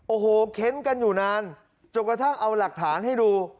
โอ้โหเค้นกันอยู่นานจนกระทั่งเอาหลักฐานให้ดู